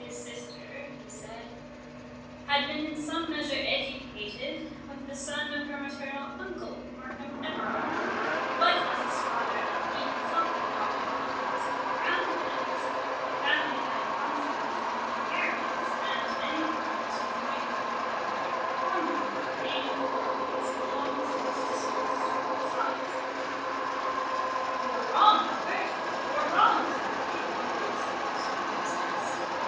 "His sister," he said, "had been in some measure educated with the son of her maternal uncle, Markham Everard; but as his father and he himself had adopted the cause of the roundheads, the families had in consequence been at variance; and any projects which might have been formerly entertained, were of course long since dismissed on all sides." "You are wrong, Albert, you are wrong," said the King, pitilessly pursuing his jest.